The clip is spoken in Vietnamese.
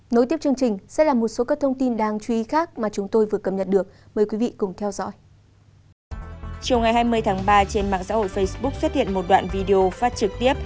nối tiếp chương trình sẽ là một số các thông tin đáng chú ý khác mà chúng tôi vừa cập nhật được mời quý vị cùng theo dõi